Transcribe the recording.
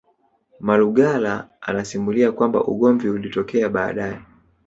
Malugala anasimulia kwamba ugomvi ulitokea baadae